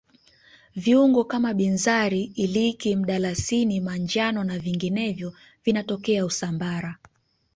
viungo kama binzari iliki mdalasini manjano na vinginevyo vinatokea usambara